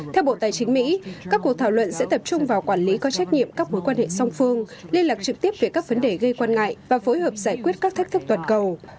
theo bộ tài chính mỹ các cuộc thảo luận sẽ tập trung vào quản lý có trách nhiệm các mối quan hệ song phương liên lạc trực tiếp về các vấn đề gây quan ngại và phối hợp giải quyết các thách thức toàn cầu